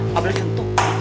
gak boleh nyentuh